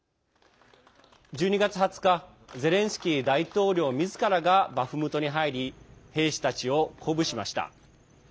１２月２０日ゼレンスキー大統領みずからがバフムトに入り兵士たちを鼓舞しました。